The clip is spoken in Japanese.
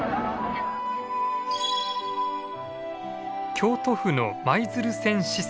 京都府の舞鶴線支線。